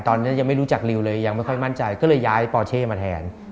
ตอนนี้ยังไม่รู้จักริวเลยยังไม่ค่อยมั่นใจก็เลยย้ายปอเช่มาแทน